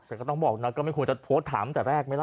แต่ก็ต้องบอกนะก็ไม่ควรจะโพสต์ถามตั้งแต่แรกไหมล่ะ